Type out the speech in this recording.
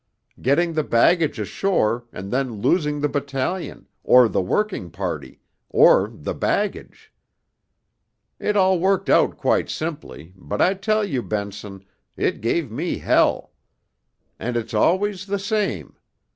getting the baggage ashore, and then losing the battalion, or the working party, or the baggage. It all worked out quite simply, but I tell you, Benson, it gave me hell. And it's always the same.